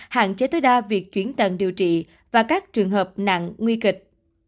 hạn chế tối đa việc chuyển tần điều trị và các trường hợp nặng nguy kịch